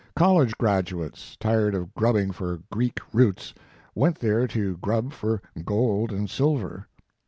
College graduates, tired of grubbing for Greek roots, went there to grub for gold and silver.